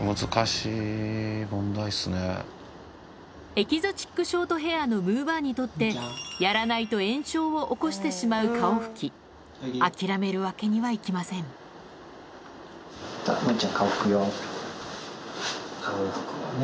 エキゾチックショートヘアのむぅばあにとってやらないと炎症を起こしてしまう顔拭き諦めるわけにはいきません顔拭こうね。